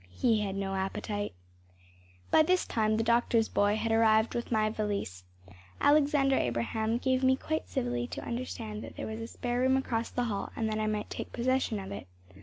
He had no appetite. By this time the doctor’s boy had arrived with my valise. Alexander Abraham gave me quite civilly to understand that there was a spare room across the hall and that I might take possession of it.